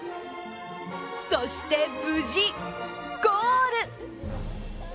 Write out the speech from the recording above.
そして、無事、ゴール！